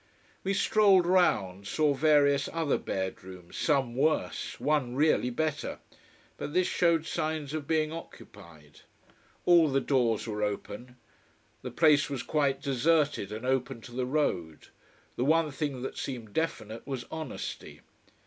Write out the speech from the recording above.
We strolled round saw various other bedrooms, some worse, one really better. But this showed signs of being occupied. All the doors were open: the place was quite deserted, and open to the road. The one thing that seemed definite was honesty.